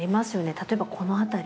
例えばこの辺り。